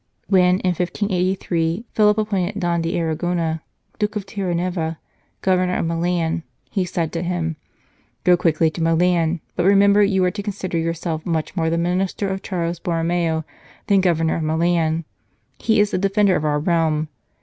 When, in 1583, Philip appointed Don d Arra gona, Duke of Tierranueva, Governor of Milan, he said to him :" Go quickly to Milan, but remember you are to consider yourself much more the minister of Charles Borromeo than Governor of Milan. He is the defender of our realm.